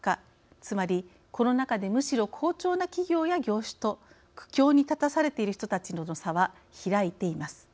つまり、コロナ禍でむしろ好調な企業や業種と苦境に立たされている人たちとの差は、開いています。